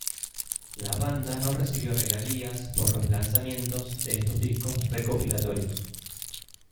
La banda no recibió regalías por los lanzamientos de estos discos recopilatorios.